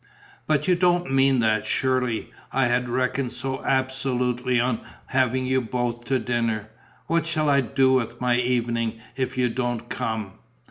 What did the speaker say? "But you don't mean that, surely! I had reckoned so absolutely on having you both to dinner! What shall I do with my evening if you don't come!"